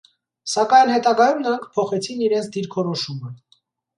Սակայն հետագայում նրանք փոխեցին իրենց դիրքորոշումը։